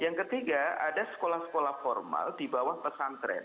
yang ketiga ada sekolah sekolah formal di bawah pesantren